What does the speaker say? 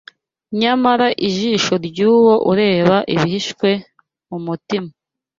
nyamara ijisho ry’Uwo ureba ibihishwe mu mutima